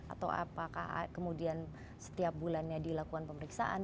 atau apakah kemudian setiap bulannya dilakukan pemeriksaan